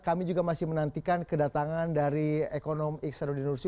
kami juga masih menantikan kedatangan dari ekonom iksanuddin nursi